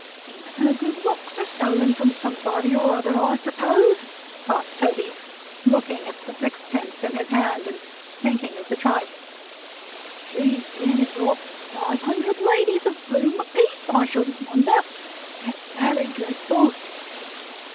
"Even her good looks are stolen from somebody or other I suppose," thought Toby, looking at the sixpence in his hand, and thinking of the tripe. "She's been and robbed five hundred ladies of a bloom a piece, I shouldn't wonder. It's very dreadful!"